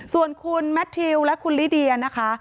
ส่วนคุณแมททิวและคุณลิเดียนะคะ